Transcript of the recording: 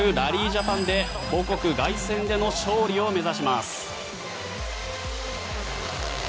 ジャパンで母国凱旋での勝利を目指します。